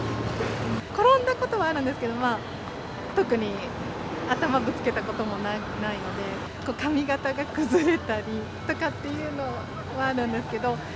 転んだことはあるんですけど、特に頭ぶつけたこともないので、髪形が崩れたりとかっていうのはあるんですけど。